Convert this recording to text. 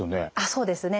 そうですね。